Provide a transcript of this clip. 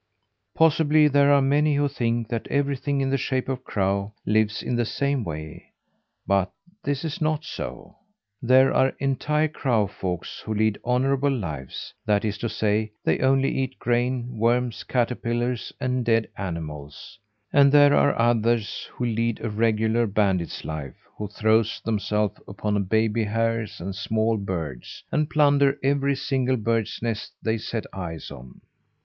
Possibly there are many who think that everything in the shape of crow lives in the same way; but this is not so. There are entire crow folk who lead honourable lives that is to say, they only eat grain, worms, caterpillars, and dead animals; and there are others who lead a regular bandit's life, who throw themselves upon baby hares and small birds, and plunder every single bird's nest they set eyes on.